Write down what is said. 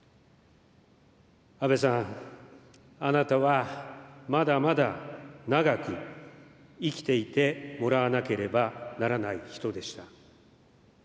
安倍さん、あなたはまだまだ長く生きていてもらわなければならない人でした。